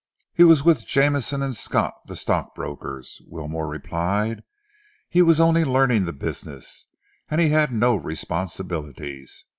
"He was with Jameson & Scott, the stockbrokers," Wilmore replied. "He was only learning the business and he had no responsibilities.